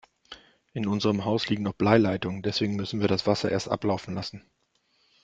In unserem Haus liegen noch Bleileitungen, deswegen müssen wir das Wasser erst ablaufen lassen.